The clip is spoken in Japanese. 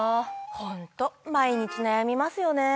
ホント毎日悩みますよね。